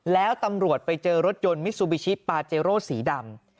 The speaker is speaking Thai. แล้วตำรวจไปเจอรถยนต์มิซูบิชิปาเจโร่สีดำ